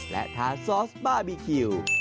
และทานซอสบาร์บีคิว